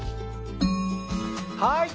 はい。